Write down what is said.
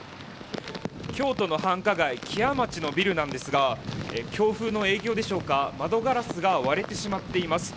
京都の繁華街木屋町のビルですが強風の影響でしょうか窓ガラスが割れてしまっています。